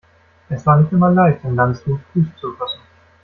Es war nicht immer leicht, in Landshut Fuß zu fassen.